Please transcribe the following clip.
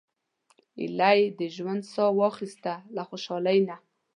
ایله یې د ژوند سا واخیسته له خوشالۍ نه.